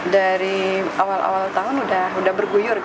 dari awal awal tahun sudah berguyur